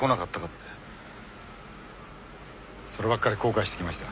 ってそればっかり後悔してきました